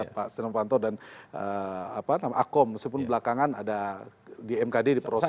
pak senopanto dan akom meskipun belakangan ada di mkd di proses